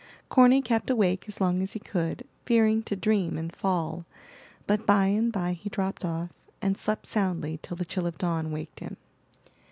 Corny kept awake as long as he could, fearing to dream and fall; but by and by he dropped off, and slept soundly till the chill of dawn waked him.